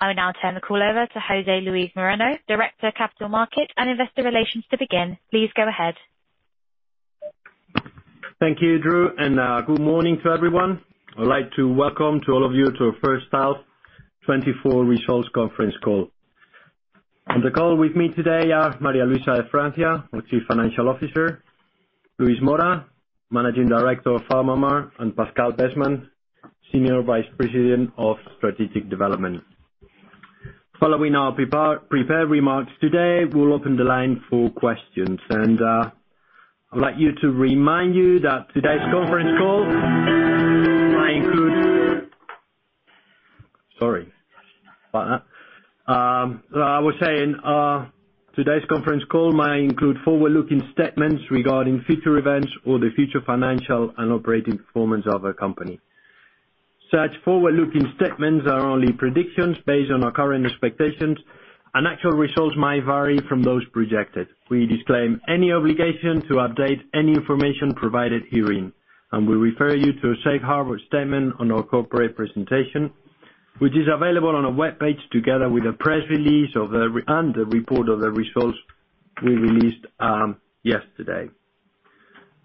I will now turn the call over to José Luis Moreno, Director of Capital Markets and Investor Relations, to begin. Please go ahead. Thank you, Drew, and good morning to everyone. I'd like to welcome to all of you to our first half 2024 results conference call. On the call with me today are María Luisa de Francia, our Chief Financial Officer, Luis Mora, Managing Director of PharmaMar, and Pascal Besman, Senior Vice President of Strategic Development. Following our prepared remarks today, we'll open the line for questions. And I'd like you to remind you that today's conference call might include-- Sorry about that. I was saying today's conference call might include forward-looking statements regarding future events or the future financial and operating performance of our company. Such forward-looking statements are only predictions based on our current expectations, and actual results might vary from those projected. We disclaim any obligation to update any information provided herein, and we refer you to a safe harbor statement on our corporate presentation, which is available on our webpage, together with the press release and the report of the results we released yesterday.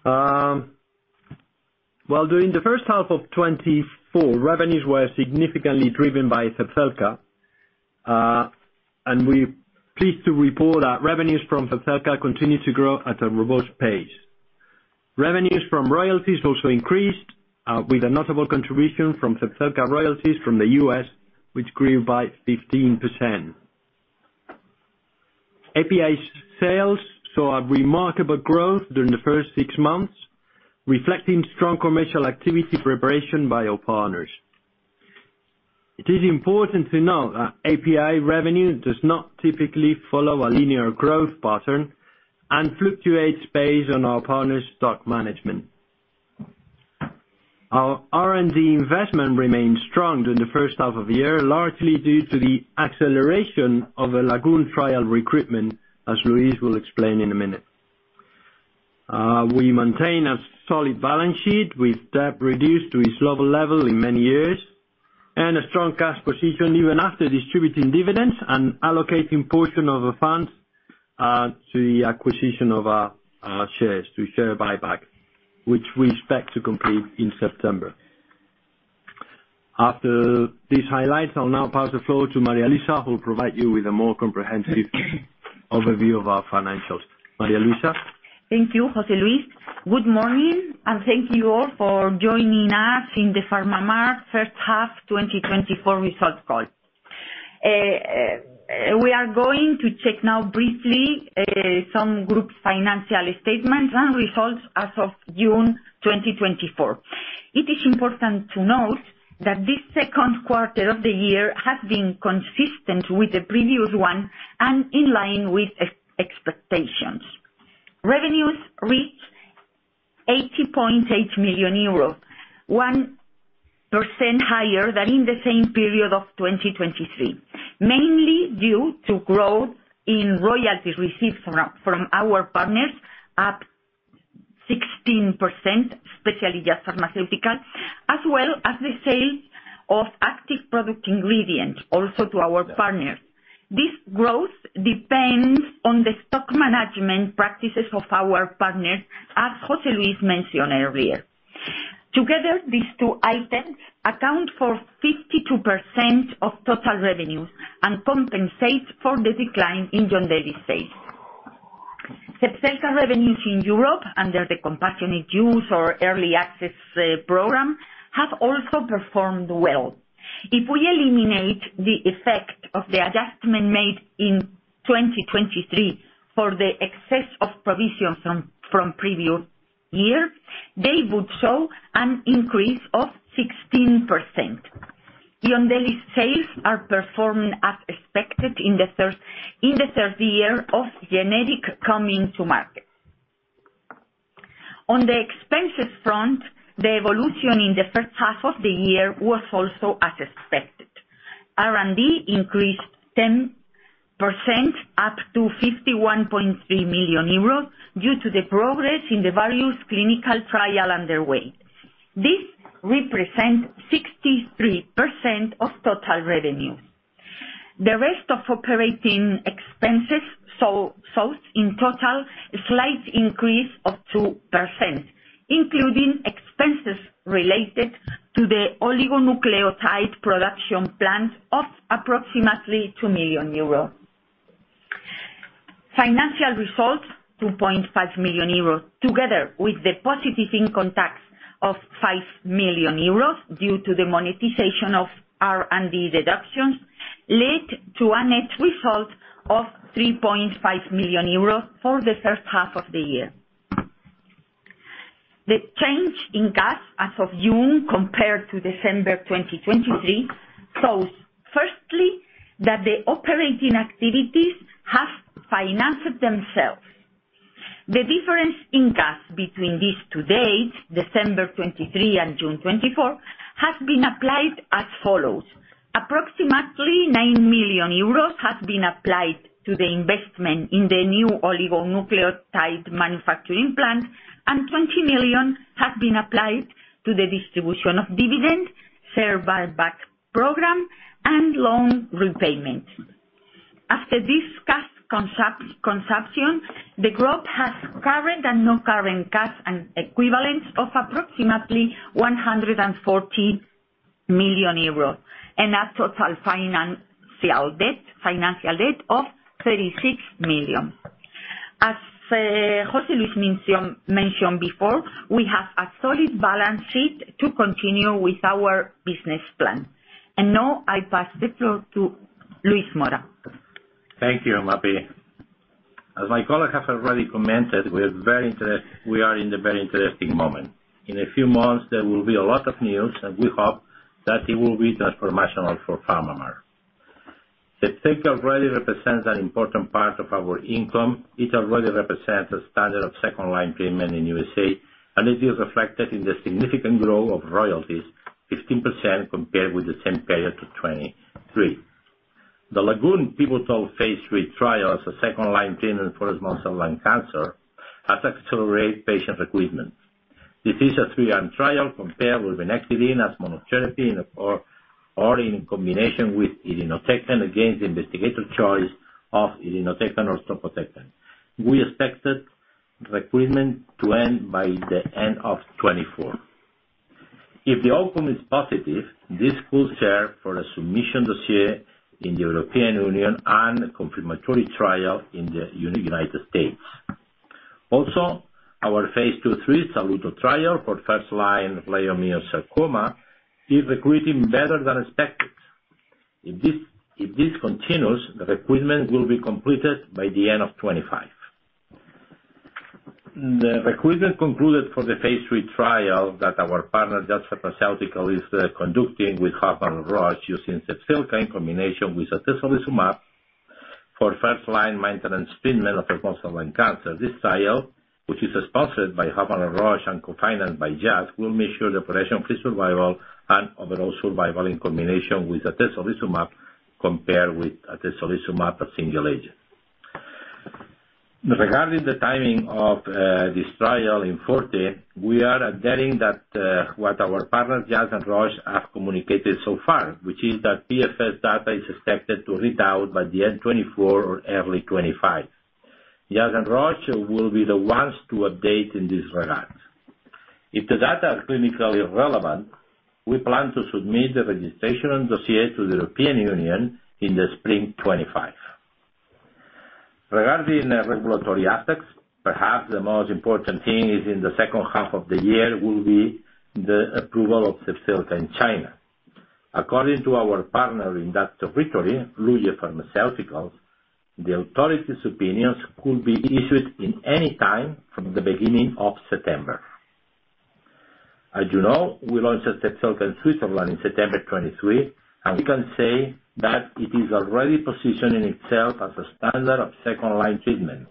Well, during the first half of 2024, revenues were significantly driven by Zepzelca, and we're pleased to report that revenues from Zepzelca continued to grow at a robust pace. Revenues from royalties also increased, with a notable contribution from Zepzelca royalties from the US, which grew by 15%. API sales saw a remarkable growth during the first six months, reflecting strong commercial activity preparation by our partners. It is important to note that API revenue does not typically follow a linear growth pattern and fluctuates based on our partners' stock management. Our R&D investment remained strong during the first half of the year, largely due to the acceleration of the LAGOON trial recruitment, as Luis will explain in a minute. We maintain a solid balance sheet, with debt reduced to its lowest level in many years, and a strong cash position, even after distributing dividends and allocating portion of the funds to the acquisition of our shares, to share buyback, which we expect to complete in September. After these highlights, I'll now pass the floor to María Luisa, who will provide you with a more comprehensive overview of our financials. María Luisa? Thank you, José Luis. Good morning, and thank you all for joining us in the PharmaMar first half 2024 results call. We are going to check now briefly some group financial statements and results as of June 2024. It is important to note that this second quarter of the year has been consistent with the previous one and in line with expectations. Revenues reached 80.8 million euros, 1% higher than in the same period of 2023, mainly due to growth in royalties received from our partners, up 16%, especially Jazz Pharmaceuticals, as well as the sale of active pharmaceutical ingredients, also to our partners. This growth depends on the stock management practices of our partners, as José Luis mentioned earlier. Together, these two items account for 52% of total revenues and compensate for the decline in Yondelis sales. Zepzelca revenues in Europe, under the compassionate use or early access program, have also performed well. If we eliminate the effect of the adjustment made in 2023 for the excess of provisions from previous years, they would show an increase of 16%. Yondelis sales are performing as expected in the third year of generic coming to market. On the expenses front, the evolution in the first half of the year was also as expected. R&D increased 10%, up to 51.3 million euros, due to the progress in the various clinical trial underway. This represent 63% of total revenue. The rest of operating expenses saw, in total, a slight increase of 2%, including expenses related to the oligonucleotide production plant of approximately 2 million euros. Financial results, 2.5 million euros, together with the positive income tax of 5 million euros, due to the monetization of R&D deductions, led to a net result of 3.5 million euros for the first half of the year. The change in cash as of June compared to December 2023 shows, firstly, that the operating activities have financed themselves. The difference in cash between these two dates, December 2023 and June 2024, has been applied as follows: approximately 9 million euros have been applied to the investment in the new oligonucleotide manufacturing plant, and 20 million have been applied to the distribution of dividends, share buyback program, and loan repayment. After this cash consumption, the group has current and non-current cash and equivalents of approximately 140 million euros, and a total financial debt of 36 million. As José Luis mentioned before, we have a solid balance sheet to continue with our business plan. Now I pass the floor to Luis Mora. Thank you, Maria. As my colleague has already commented, we are very interested—we are in a very interesting moment. In a few months, there will be a lot of news, and we hope that it will be transformational for PharmaMar. Zepzelca already represents an important part of our income. It already represents a standard of second-line treatment in USA, and it is reflected in the significant growth of royalties, 15% compared with the same period to 2023. The LAGOON pivotal phase III trial as a second-line treatment for small cell lung cancer, has accelerated patient recruitment. This is a three-arm trial compared with Vinorelbine as monotherapy, or in combination with Irinotecan against the investigator's choice of Irinotecan or Topotecan. We expected recruitment to end by the end of 2024. If the outcome is positive, this could serve for a submission dossier in the European Union and a confirmatory trial in the United States. Also, our phase II/III SaLute trial for first-line leiomyosarcoma is recruiting better than expected. If this, if this continues, the recruitment will be completed by the end of 2025. The recruitment concluded for the phase III trial that our partner, Jazz Pharmaceuticals, is conducting with Hoffmann-La Roche, using Zepzelca in combination with Atezolizumab for first-line maintenance treatment of small cell lung cancer. This trial, which is sponsored by Hoffmann-La Roche and co-financed by Jazz, will measure the progression-free survival and overall survival in combination with Atezolizumab compared with Atezolizumab, a single agent. Regarding the timing of, this trial IMforte, we are adhering that what our partners, Jazz and Roche, have communicated so far, which is that PFS data is expected to read out by the end 2024 or early 2025. Jazz and Roche will be the ones to update in this regard. If the data are clinically relevant, we plan to submit the registration dossier to the European Union in the spring 2025. Regarding the regulatory aspects, perhaps the most important thing is in the second half of the year will be the approval of Zepzelca in China. According to our partner in that territory, Luye Pharma Group, the authorities' opinions could be issued in any time from the beginning of September. As you know, we launched Zepzelca in Switzerland in September 2023, and we can say that it is already positioning itself as a standard of second-line treatment.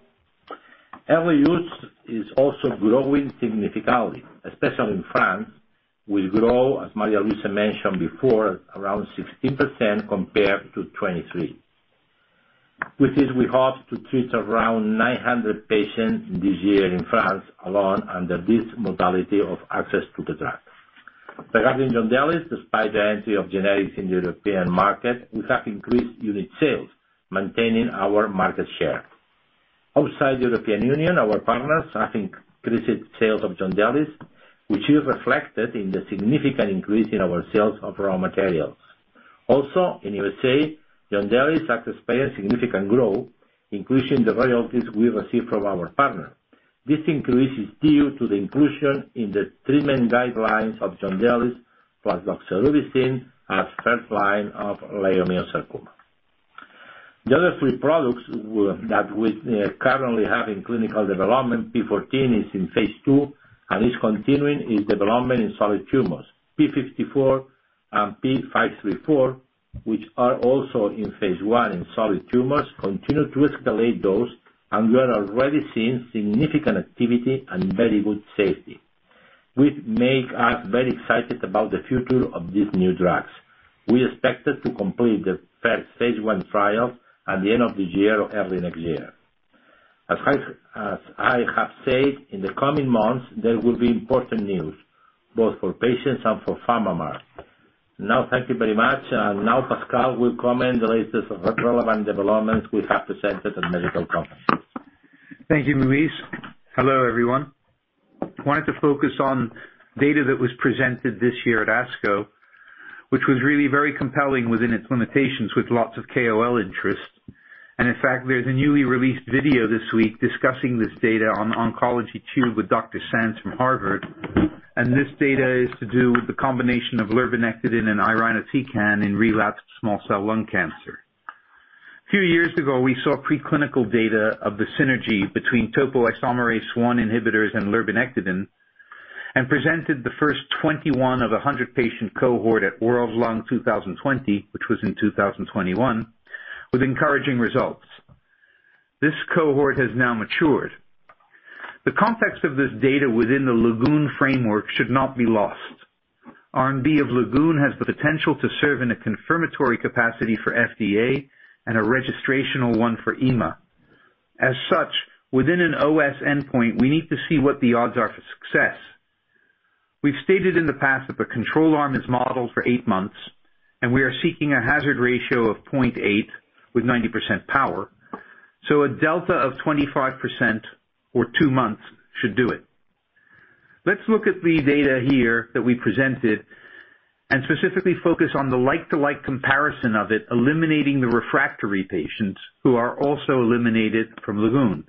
Early use is also growing significantly, especially in France, will grow, as María Luisa mentioned before, around 16% compared to 2023. With this, we hope to treat around 900 patients this year in France alone under this modality of access to the drug. Regarding Yondelis, despite the entry of generics in the European market, we have increased unit sales, maintaining our market share. Outside the European Union, our partners have increased sales of Yondelis, which is reflected in the significant increase in our sales of raw materials. Also, in USA, Yondelis has experienced significant growth, increasing the royalties we receive from our partner. This increase is due to the inclusion in the treatment guidelines of Yondelis plus doxorubicin as first line of leiomyosarcoma. The other three products that we currently have in clinical development, PM14, is in phase 2 and is continuing its development in solid tumors. PM54 and PM534, which are also in phase 1 in solid tumors, continue to escalate dose, and we are already seeing significant activity and very good safety, which make us very excited about the future of these new drugs. We expected to complete the first phase 1 trials at the end of the year or early next year. As I have said, in the coming months, there will be important news, both for patients and for PharmaMar. Now, thank you very much. Now Pascal will comment on the latest relevant developments we have presented in medical conferences. Thank you, Luis. Hello, everyone. Wanted to focus on data that was presented this year at ASCO, which was really very compelling within its limitations, with lots of KOL interest. In fact, there's a newly released video this week discussing this data on OncologyTube with Dr. Sands from Harvard. This data is to do with the combination of lurbinectedin and irinotecan in relapsed small cell lung cancer. A few years ago, we saw preclinical data of the synergy between topoisomerase I inhibitors and lurbinectedin, and presented the first 21 of a 100-patient cohort at World Lung 2020, which was in 2021, with encouraging results. This cohort has now matured. The context of this data within the LAGOON framework should not be lost. R&D of LAGOON has the potential to serve in a confirmatory capacity for FDA and a registrational one for EMA. As such, within an OS endpoint, we need to see what the odds are for success. We've stated in the past that the control arm is modeled for 8 months, and we are seeking a hazard ratio of 0.8 with 90% power, so a delta of 25% or 2 months should do it. Let's look at the data here that we presented, and specifically focus on the like-to-like comparison of it, eliminating the refractory patients who are also eliminated from LAGOON.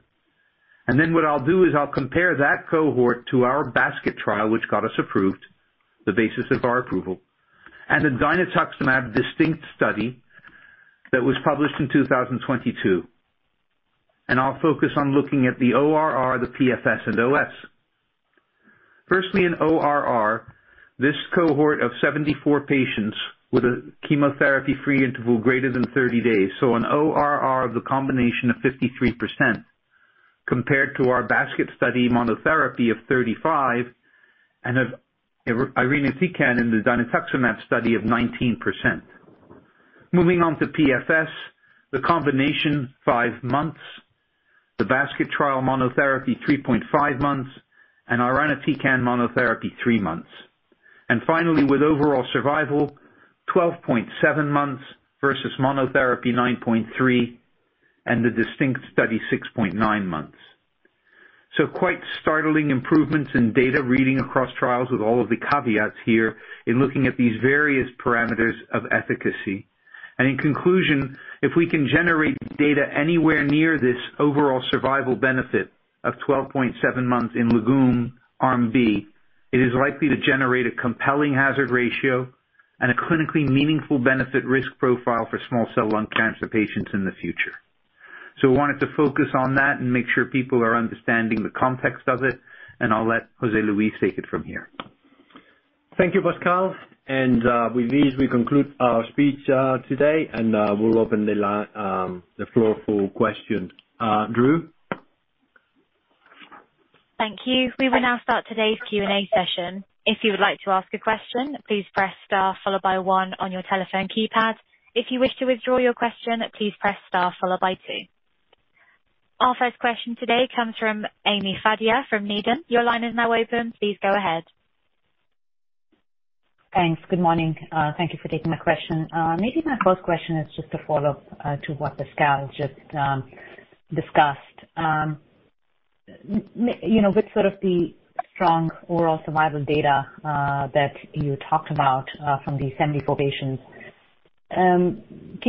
And then what I'll do is I'll compare that cohort to our basket trial, which got us approved, the basis of our approval, and the Dinutuximab DISTINCT study that was published in 2022. And I'll focus on looking at the ORR, the PFS, and OS. Firstly, in ORR, this cohort of 74 patients with a chemotherapy-free interval greater than 30 days, so an ORR of the combination of 53%, compared to our basket study monotherapy of 35, and of irinotecan in the Dinutuximab study of 19%. Moving on to PFS, the combination, 5 months, the basket trial monotherapy, 3.5 months, and irinotecan monotherapy, 3 months. And finally, with overall survival, 12.7 months versus monotherapy, 9.3, and the DISTINCT study, 6.9 months. So quite startling improvements in data reading across trials with all of the caveats here in looking at these various parameters of efficacy. In conclusion, if we can generate data anywhere near this overall survival benefit of 12.7 months in LAGOON arm B, it is likely to generate a compelling hazard ratio and a clinically meaningful benefit risk profile for small cell lung cancer patients in the future. We wanted to focus on that and make sure people are understanding the context of it, and I'll let José Luis take it from here. Thank you, Pascal. And with this, we conclude our speech today, and we'll open the floor for questions. Drew? Thank you. We will now start today's Q&A session. If you would like to ask a question, please press star followed by one on your telephone keypad. If you wish to withdraw your question, please press star followed by two. Our first question today comes from Ami Fadia from Needham. Your line is now open. Please go ahead. Thanks. Good morning. Thank you for taking my question. Maybe my first question is just a follow-up to what Pascal just discussed. You know, with sort of the strong overall survival data that you talked about from the 74 patients, can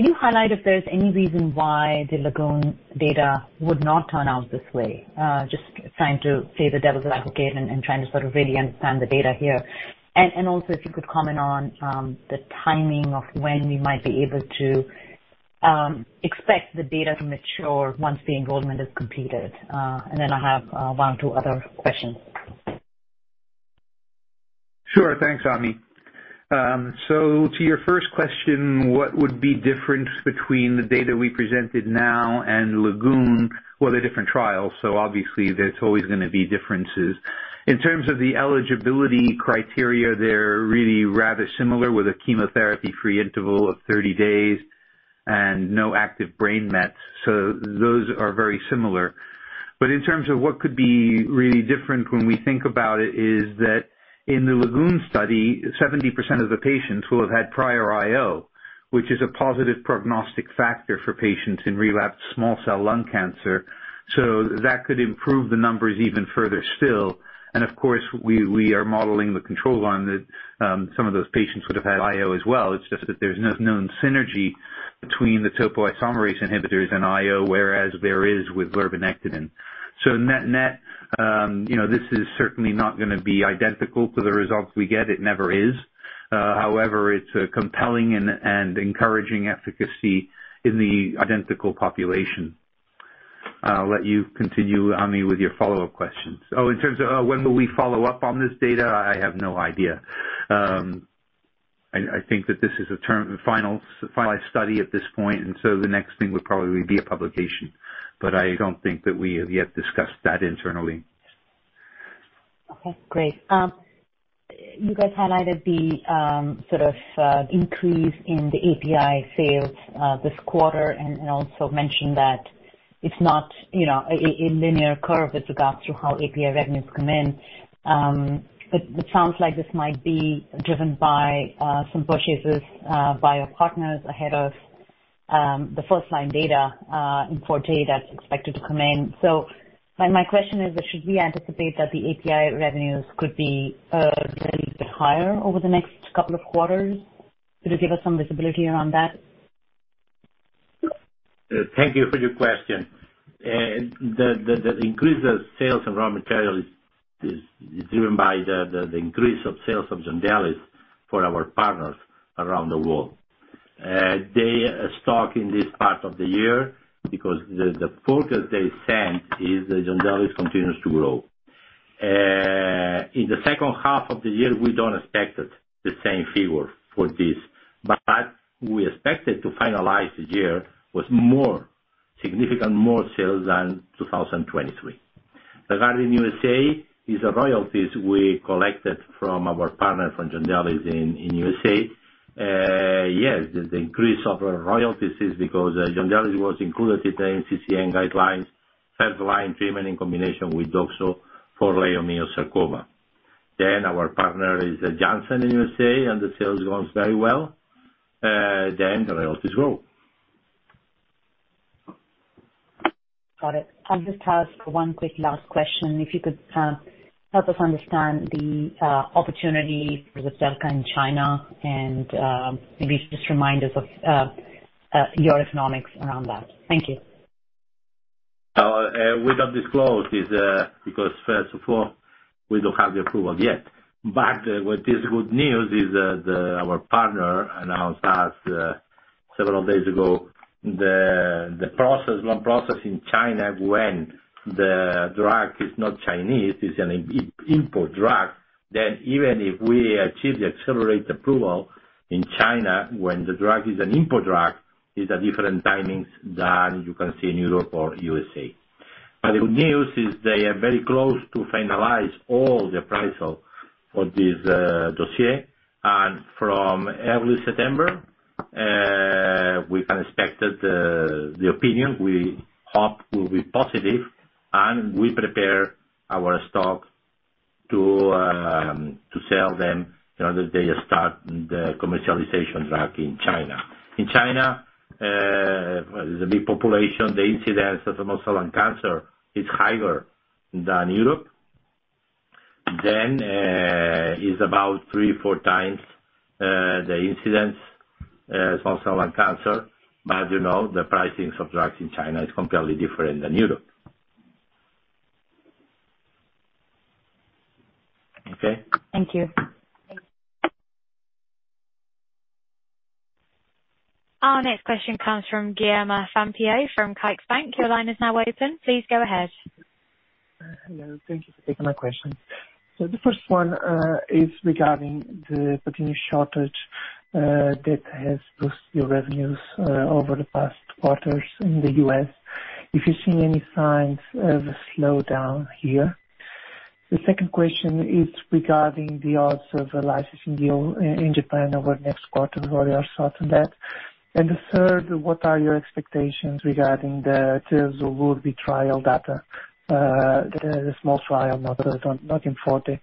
you highlight if there's any reason why the LAGOON data would not turn out this way? Just trying to play the devil's advocate and trying to sort of really understand the data here. And also, if you could comment on the timing of when we might be able to expect the data to mature once the enrollment is completed. And then I have one or two other questions. Sure. Thanks, Ami. So to your first question, what would be different between the data we presented now and LAGOON? Well, they're different trials, so obviously there's always gonna be differences. In terms of the eligibility criteria, they're really rather similar, with a chemotherapy-free interval of 30 days and no active brain mets, so those are very similar. But in terms of what could be really different when we think about it, is that in the LAGOON study, 70% of the patients will have had prior IO, which is a positive prognostic factor for patients in relapsed small cell lung cancer, so that could improve the numbers even further still. And of course, we, we are modeling the control arm that some of those patients would have had IO as well. It's just that there's no known synergy between the topoisomerase inhibitors and IO, whereas there is with lurbinectedin. So net, net, you know, this is certainly not gonna be identical to the results we get. It never is. However, it's a compelling and encouraging efficacy in the identical population. I'll let you continue, Ami, with your follow-up questions. In terms of when will we follow up on this data? I have no idea. I think that this is a term-final, finalized study at this point, and so the next thing would probably be a publication, but I don't think that we have yet discussed that internally. Okay, great. You guys highlighted the sort of increase in the API sales this quarter, and also mentioned that it's not, you know, a linear curve with regards to how API revenues come in. But it sounds like this might be driven by some purchases by our partners ahead of the first-line data in IMforte that's expected to come in. So my question is, should we anticipate that the API revenues could be really bit higher over the next couple of quarters? Could you give us some visibility around that? Thank you for your question. The increase of sales and raw material is driven by the increase of sales of Yondelis for our partners around the world. They stock in this part of the year because the forecast they sent is the Yondelis continues to grow. In the second half of the year, we don't expect the same figure for this, but we expect to finalize the year with significantly more sales than 2023. Regarding USA, it is the royalties we collected from our partner from Yondelis in USA. Yes, the increase of our royalties is because Yondelis was included in the NCCN guidelines third line treatment in combination with doxorubicin for leiomyosarcoma. Our partner is Johnson in USA, and the sales goes very well, then the royalties grow. Got it. I'll just ask one quick last question. If you could, help us understand the opportunity with Zepzelca in China, and maybe just remind us of your economics around that. Thank you. We don't disclose this because first of all, we don't have the approval yet. But what is good news is that our partner announced us several days ago the process, long process in China, when the drug is not Chinese, it's an import drug, then even if we achieve the accelerated approval in China, when the drug is an import drug, is a different timings than you can see in Europe or USA. But the good news is they are very close to finalize all the appraisal for this dossier, and from early September we can expect that the opinion, we hope will be positive, and we prepare our stock to sell them the other day start the commercialization drug in China. In China there's a big population. The incidence of small cell lung cancer is higher than Europe. Then, is about 3-4 times the incidence small cell lung cancer. But, you know, the pricing of drugs in China is completely different than Europe. Okay? Thank you. Our next question comes from Guilherme Sampaio, from CaixaBank. Your line is now open. Please go ahead. Hello, thank you for taking my question. So the first one is regarding the platinum shortage that has boosted your revenues over the past quarters in the US. If you've seen any signs of a slowdown here? The second question is regarding the odds of a licensing deal in Japan over the next quarter, where you are certain that. And the third, what are your expectations regarding the LAGOON trial data? The small trial, not IMforte,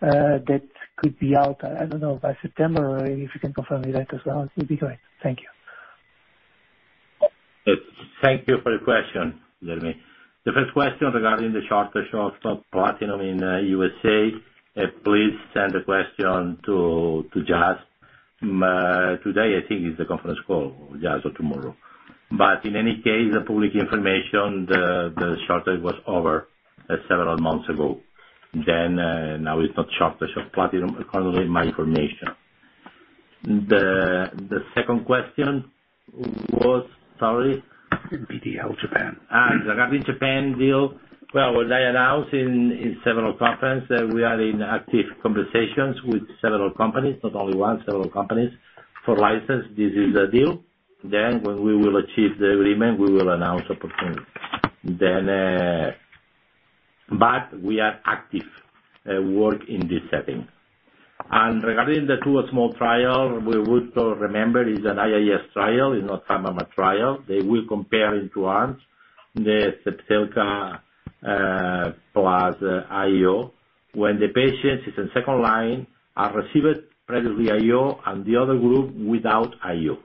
that could be out, I don't know, by September, if you can confirm me that as well, it would be great. Thank you. Thank you for the question, Guilherme. The first question regarding the shortage of platinum in USA, please send the question to [Jazz]. Today, I think, is the conference call, just, or tomorrow. But in any case, the public information, the shortage was over several months ago. Then, now it's not shortage of platinum, according to my information. The second question was... Sorry? BDL, Japan. Ah, regarding the Japan deal, well, they announced in several conferences that we are in active conversations with several companies, not only one, several companies, for license. This is a deal. Then, when we will achieve the agreement, we will announce opportunity. Then... But we are active work in this setting. And regarding the two small trial, we would remember is an IIS trial, is not trial. They will compare in two arms the Zepzelca plus IO. When the patient is in second line, are received previously IO, and the other group without IO.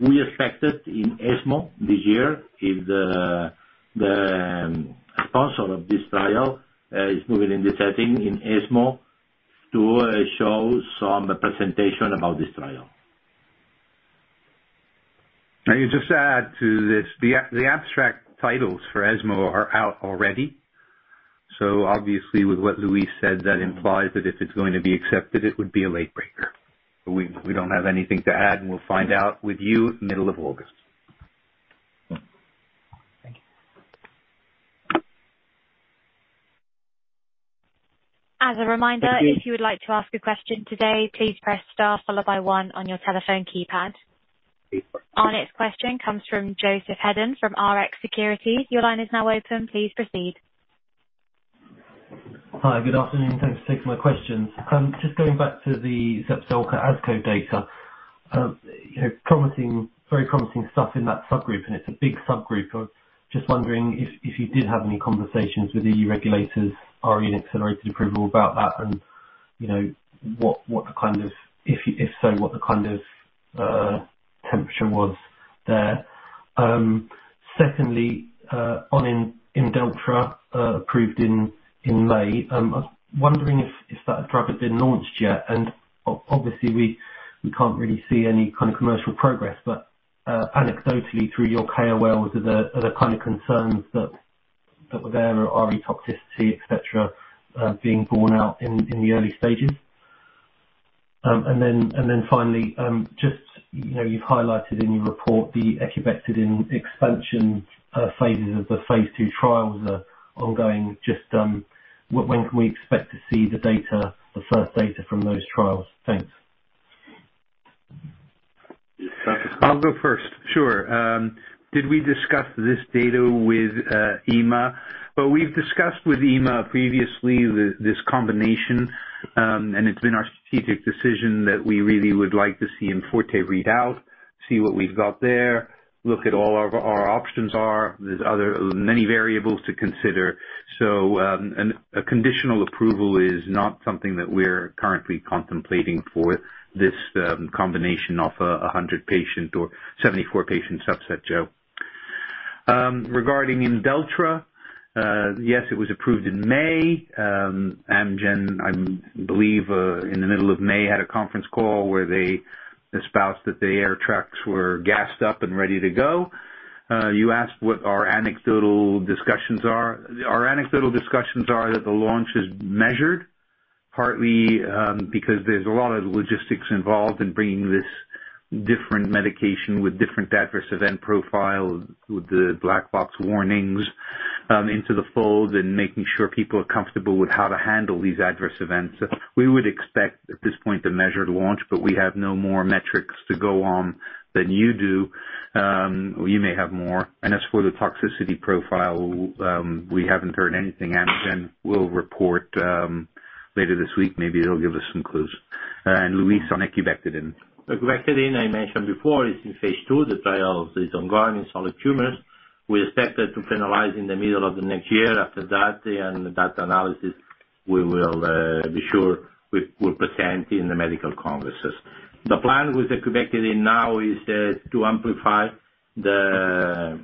We expected in ESMO this year, if the sponsor of this trial is moving in the setting in ESMO, to show some presentation about this trial. I can just add to this. The abstract titles for ESMO are out already. So obviously with what Luis said, that implies that if it's going to be accepted, it would be a late breaker. We don't have anything to add, and we'll find out with you middle of August. Thank you. As a reminder, if you would like to ask a question today, please press star followed by one on your telephone keypad. Our next question comes from Joseph Hedden from Rx Securities. Your line is now open. Please proceed. Hi, good afternoon. Thanks for taking my questions. Just going back to the Zepzelca ASCO data, you know, promising, very promising stuff in that subgroup, and it's a big subgroup. I was just wondering if you did have any conversations with the regulators or any accelerated approval about that and, you know, what the kind of—if you did, what the kind of temperature was there? Secondly, on Imdelltra, approved in May, I was wondering if that drug had been launched yet, and obviously we can't really see any kind of commercial progress, but anecdotally through your KOLs, are the kind of concerns that were there regarding toxicity, et cetera, being borne out in the early stages? And then finally, just, you know, you've highlighted in your report the Ecubectedin expansion phases of the phase two trials are ongoing. Just, when can we expect to see the data, the first data from those trials? Thanks. I'll go first. Sure. Did we discuss this data with EMA? Well, we've discussed with EMA previously this combination, and it's been our strategic decision that we really would like to see IMforte read out, see what we've got there, look at all our, our options are. There's other many variables to consider. So, and a conditional approval is not something that we're currently contemplating for this, combination of, a 100-patient or 74-patient subset, Joe. Regarding Imdelltra, yes, it was approved in May. Amgen, I believe, in the middle of May, had a conference call where they espoused that the air tracks were gassed up and ready to go. You asked what our anecdotal discussions are. Our anecdotal discussions are that the launch is measured, partly, because there's a lot of logistics involved in bringing this different medication with different adverse event profile, with the black box warnings, into the fold, and making sure people are comfortable with how to handle these adverse events. We would expect, at this point, a measured launch, but we have no more metrics to go on than you do. You may have more. And as for the toxicity profile, we haven't heard anything. Amgen will report later this week, maybe it'll give us some clues. And Luis, on Ecubectedin. Ecubectedin, I mentioned before, is in phase two. The trial is ongoing in solid tumors. We expect it to finalize in the middle of the next year. After that and the data analysis, we will be sure we present in the medical congresses. The plan with ecubectedin now is to amplify the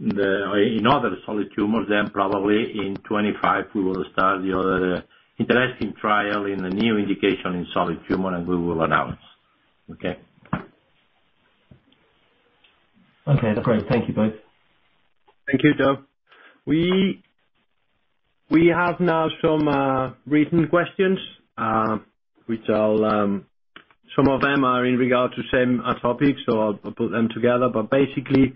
in other solid tumors, then probably in 2025, we will start the other interesting trial in the new indication in solid tumor, and we will announce. Okay? Okay, great. Thank you both. Thank you, Joe. We have now some written questions, which I'll... Some of them are in regard to same topics, so I'll put them together. But basically,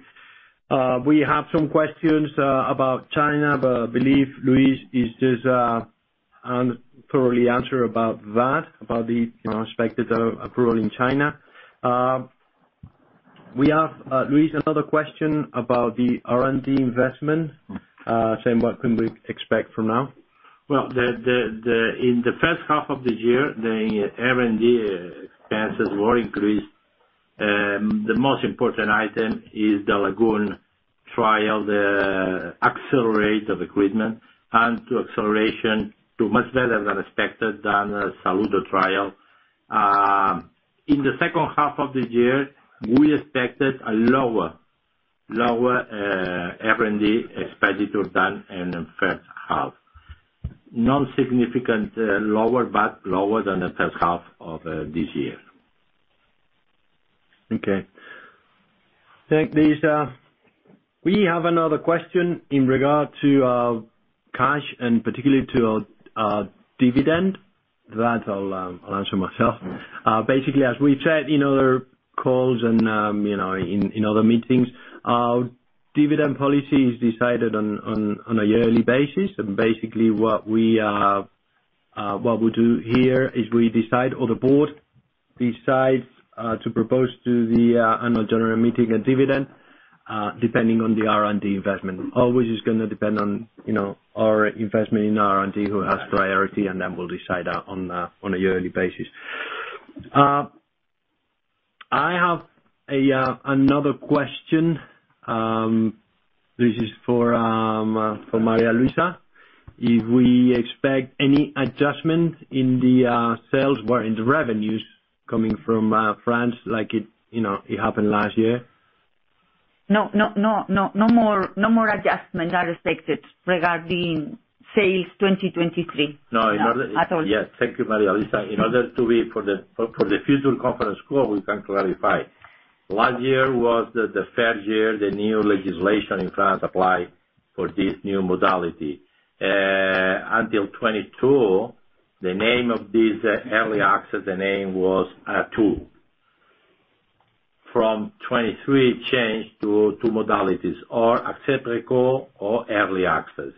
we have some questions about China, but I believe Luis is just thoroughly answer about that, about the, you know, expected approval in China. We have, Luis, another question about the R&D investment. Same, what can we expect from now? Well, in the first half of the year, the R&D expenses were increased. The most important item is the LAGOON trial, the acceleration of recruitment, and the acceleration too much better than expected than the SaLute trial. In the second half of this year, we expect a lower R&D expenditure than in the first half. Non-significant lower, but lower than the first half of this year. Okay. Thanks, Luis. We have another question in regard to cash and particularly to dividend. That I'll answer myself. Basically, as we've said in other calls and, you know, in other meetings, our dividend policy is decided on a yearly basis. And basically what we do here is we decide, or the board decides, to propose to the annual general meeting a dividend, depending on the R&D investment. Always is gonna depend on, you know, our investment in R&D, who has priority, and then we'll decide on a yearly basis. I have another question. This is for María Luisa. If we expect any adjustment in the sales or in the revenues coming from France, like it, you know, it happened last year? No, no more adjustments are expected regarding sales 2023. No, in order- At all. Yes. Thank you, María Luisa. In order to be for the future conference call, we can clarify. Last year was the first year the new legislation in France applied for this new modality. Until 2022, the name of this early access, the name was ATU. From 2023, it changed to ATU modalities or ATU or early access.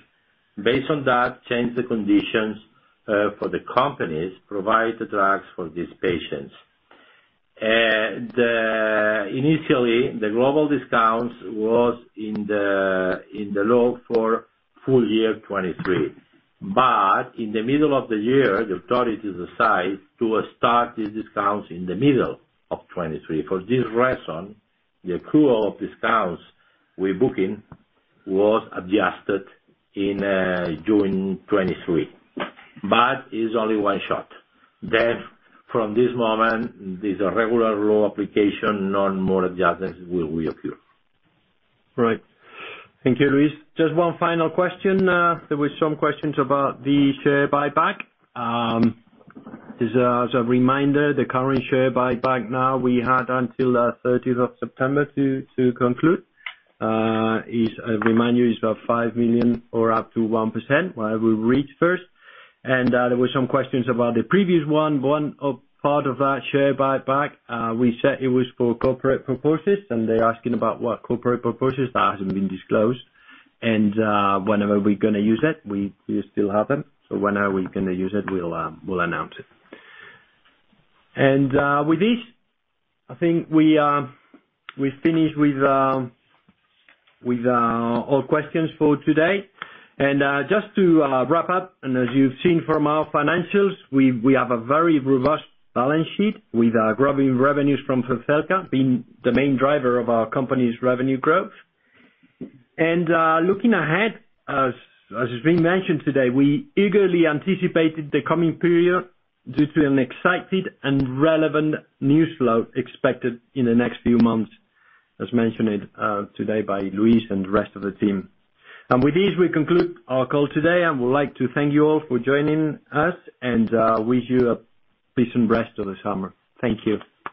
Based on that, changed the conditions for the companies provide the drugs for these patients. Initially, the global discounts was in the law for full year 2023, but in the middle of the year, the authorities decide to start these discounts in the middle of 2023. For this reason, the accrual of discounts we're booking was adjusted in June 2023, but it's only one shot. Then, from this moment, there's a regular law application, no more adjustments will occur. Right. Thank you, Luis. Just one final question. There were some questions about the share buyback. Just as a reminder, the current share buyback now, we had until thirtieth of September to conclude. As a reminder, it is about 5 million or up to 1%, whatever we reach first. And there were some questions about the previous one, part of that share buyback. We said it was for corporate purposes, and they're asking about what corporate purposes; that hasn't been disclosed. And whenever we're gonna use it, we still haven't. So when are we gonna use it, we'll announce it. And with this, I think we finish with all questions for today. Just to wrap up, and as you've seen from our financials, we have a very robust balance sheet with our growing revenues from Zepzelca being the main driver of our company's revenue growth. Looking ahead, as has been mentioned today, we eagerly anticipated the coming period due to an excited and relevant news flow expected in the next few months, as mentioned today by Luis and the rest of the team. With this, we conclude our call today, and would like to thank you all for joining us, and wish you a peaceful rest of the summer. Thank you.